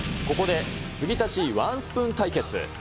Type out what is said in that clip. ここで、継ぎ足しワンスプーン対決。